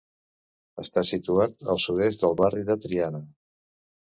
Està situat al sud-est del barri de Triana.